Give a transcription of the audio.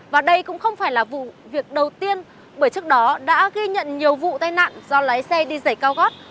và đây cũng không phải là vụ việc đầu tiên bởi trước đó đã ghi nhận nhiều vụ tai nạn do lái xe đi giải cao gát